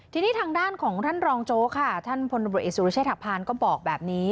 ทีนี้ทางด้านของท่านรองโจ๊กค่ะท่านผลบริเศษฐภัณฑ์ก็บอกแบบนี้